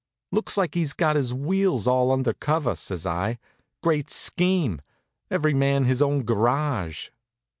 "Looks like he's got his wheels all under cover," says I. "Great scheme every man his own garage."